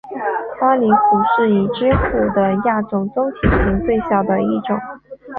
巴厘虎是已知虎的亚种中体型最小的一种。